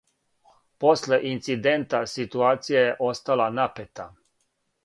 После инцидента ситуација је остала напета.